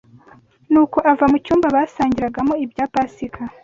Nuko ava mu cyumba basangiriragamo ibya Pasika,